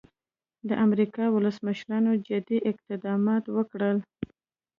د امریکا ولسمشرانو جدي اقدامات وکړل.